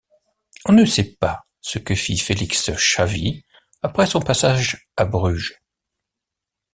On ne sait pas ce que fit Félix Schavy après son passage à Bruges.